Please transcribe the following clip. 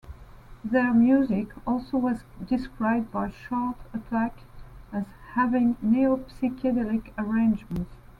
Their music also was described by Chart Attack as having "neo-psychedelic arrangements".